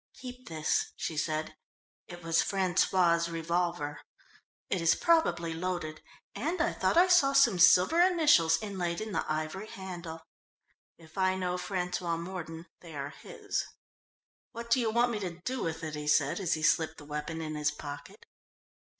"Keep this," she said. It was François' revolver. "It is probably loaded and I thought I saw some silver initials inlaid in the ivory handle. If I know François Mordon, they are his." "What do you want me to do with it?" he said as he slipped the weapon in his pocket.